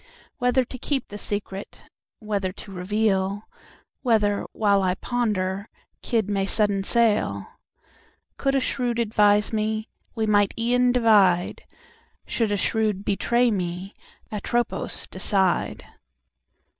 Whether to keep the secret—Whether to reveal—Whether, while I ponderKidd may sudden sail—Could a Shrewd advise meWe might e'en divide—Should a Shrewd betray me—"Atropos" decide!